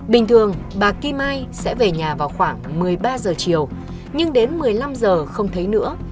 bình thường bà kim mai sẽ về nhà vào khoảng một mươi ba giờ chiều nhưng đến một mươi năm giờ không thấy nữa